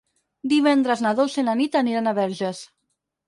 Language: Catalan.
Divendres na Dolça i na Nit aniran a Verges.